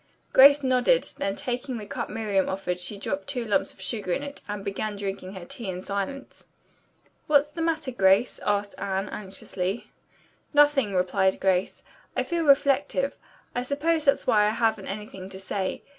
Grace nodded. Then taking the cup Miriam offered she dropped two lumps of sugar in it, and began drinking her tea in silence. "What's the matter, Grace?" asked Anne anxiously. "Nothing," replied Grace. "I feel reflective. I suppose that's why I haven't anything to say.